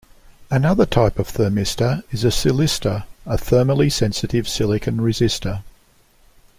Another type of thermistor is a silistor, a thermally sensitive silicon resistor.